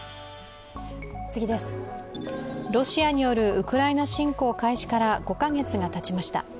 ロシアによるウクライナ侵攻開始から５カ月がたちました。